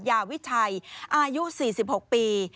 ยาวิชัยอายุ๔๖ปี